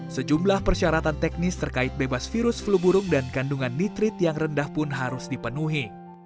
sejumlah persyaratan teknis terkait bebas virus flu burung dan kandungan nitrit yang rendah pun harus dipenuhi